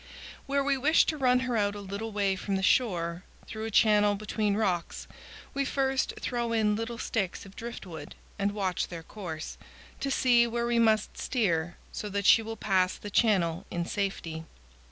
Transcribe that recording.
Where we wish to run her out a little way from shore through a channel between rocks, we first throw in little sticks of driftwood and watch their course, to see where we must steer so that she will pass the channel in safety.